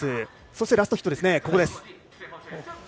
そしてラストヒットですね。